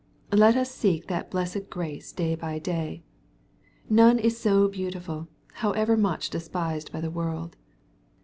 Let us seek that blessed grace day by day. None is so beautiful, however much despised by the world.